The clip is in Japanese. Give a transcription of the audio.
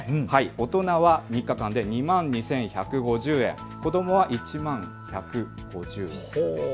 大人は３日間で２万２１５０円子どもは１万１５０円です。